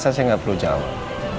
saya rasa saya gak perlu jawab